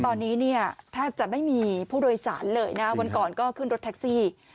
ตอนนี้เนี่ยแทบจะไม่มีผู้โดยสารเลยนะวันก่อนก็ขึ้นรถแท็กซี่